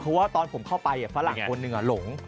เพราะว่าตอนผมเข้าไปฝรั่งคนหนึ่งหลง